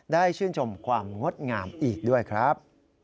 ได้ชื่นชมความงดงามอีกด้วยครับ